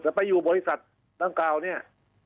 แต่ไปอยู่บริษัทดังกล่าวเนี่ย